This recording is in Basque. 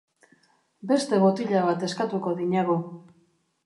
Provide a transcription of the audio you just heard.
Beste botila bat eskatuko dinagu.